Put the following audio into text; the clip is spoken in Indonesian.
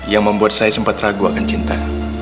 yang membuat saya sempat ragu akan cinta